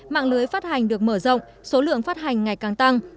mạng lưới phát hành được mở rộng số lượng phát hành ngày càng tăng